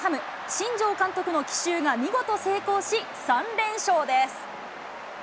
新庄監督の奇襲が見事成功し、３連勝です。